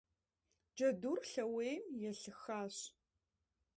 Джэдур лъэуейм елъыхащ.